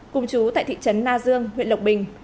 cùng chú tại thị trấn na dương huyện lộc bình